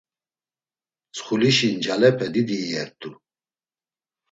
Mtsxulişi ncalepe didi iyert̆u.